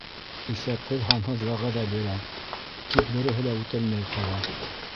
Иҫәпһеҙ-һанһыҙ вәғәҙә бирә. тик береһе лә үтәлмәй ҡала.